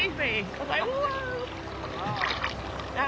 ああ。